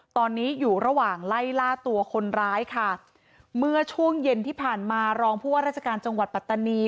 ตอนนี้อยู่ระหว่างไล่ล่าตัวคนร้ายค่ะเมื่อช่วงเย็นที่ผ่านมารองผู้ว่าราชการจังหวัดปัตตานี